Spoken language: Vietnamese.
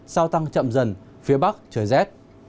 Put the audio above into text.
sau tăng chậm dần phía bắc trời rét